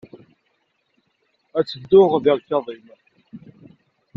Ad tedduɣ di ṛkaḍ-im.